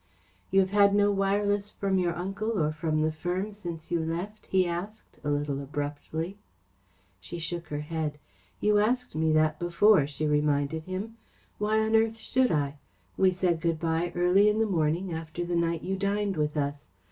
"You have had no wireless from your uncle or from the firm since you left?" he asked, a little abruptly. She shook her head. "You asked me that before," she reminded him. "Why on earth should I? We said good by early in the morning after the night you dined with us.